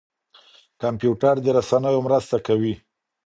کمپيوټر د رسنيو مرسته کوي.